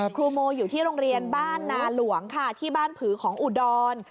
ครูโมอยู่ที่โรงเรียนบ้านนาหลวงค่ะที่บ้านผือของอุดร